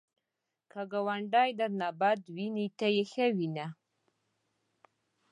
که ګاونډی درنه بد ویني، ته یې ښه وینه